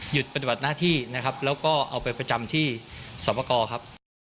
หยุดปฏิบัติหน้าที่แล้วก็เอาไปประจำที่สามกรครับ